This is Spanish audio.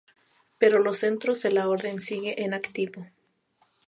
Pero los centros de la orden siguen en activo.